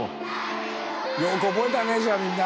よく覚えたねじゃあみんな。